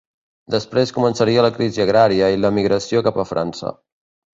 Després començaria la crisi agrària i l'emigració cap a França.